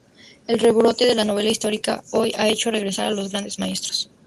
El rebrote de la novela histórica, hoy, ha hecho regresar a los grandes maestros.